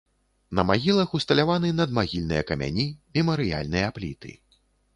На магілах усталяваны надмагільныя камяні, мемарыяльныя пліты.